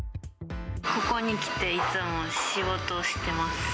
ここに来て、いつも仕事してます。